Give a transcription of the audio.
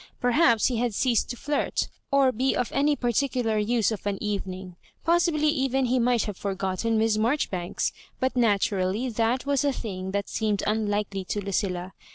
Perhaps he had ceased to flirt, or be of any particular use of an evening ; pobsibly even he might have forgotten Miss Marjoribanks — but naturally that was a thing that seemed unlikely to Lucilla.